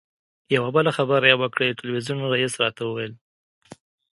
یوه بله خبره یې وکړه یو تلویزیون رییس راته وویل.